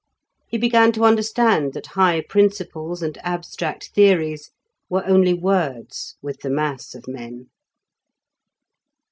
He began to understand that high principles and abstract theories were only words with the mass of men.